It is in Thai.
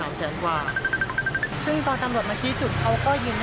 รู้จักมานานแล้วนะครับหลายปีแล้วแต่ว่าไม่ได้สนิทอะไร